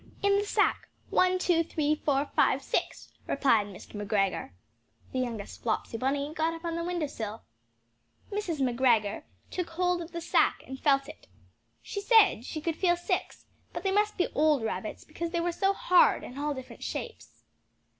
"In the sack! one, two, three, four, five, six!" replied Mr. McGregor. (The youngest Flopsy Bunny got upon the window sill.) Mrs. McGregor took hold of the sack and felt it. She said she could feel six, but they must be old rabbits, because they were so hard and all different shapes.